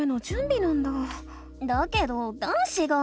だけど男子が。